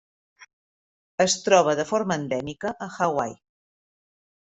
Es troba de forma endèmica a Hawaii.